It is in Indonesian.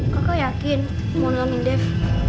kakak yakin mau nolongin dev